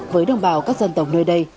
với đồng bào các dân tộc nơi đây